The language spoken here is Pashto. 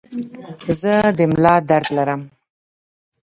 زه د ملا درد لرم.